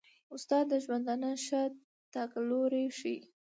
استاد د ژوندانه ښه تګلوری ښيي.